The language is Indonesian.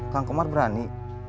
kang kemar berani